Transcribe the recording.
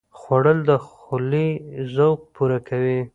خوړل د خولې ذوق پوره کوي